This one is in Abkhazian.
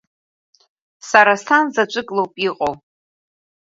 Сара сан заҵәык лоуп иҟоу.